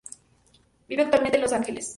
Vive actualmente en Los Ángeles.